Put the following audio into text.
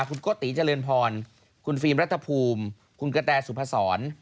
คุณโกติเจริญพรคุณฟิล์มรัฐภูมิคุณกะแตสุพศร